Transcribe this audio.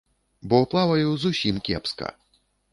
Бо плаваю зусім кепска.